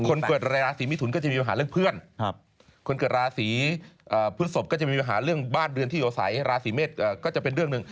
คนเกิดราศรีมิสุนก็จะมีมาหาเรื่องเพื่อนคนเกิดราศรีพื้นศพก็จะมีมาหาเรื่องบ้านเดือนที่โยไสราศรีเมษก็จะเป็นเรื่องนึง